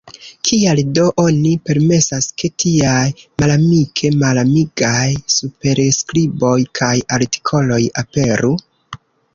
Kial do oni permesas, ke tiaj malamike malamigaj superskriboj kaj artikoloj aperu?